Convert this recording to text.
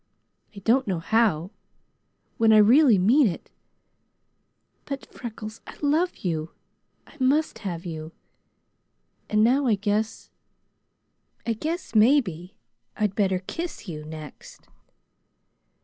I don't know how, when I really mean it, but Freckles, I love you. I must have you, and now I guess I guess maybe I'd better kiss you next."